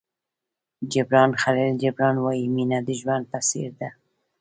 جبران خلیل جبران وایي مینه د ژوند په څېر ده.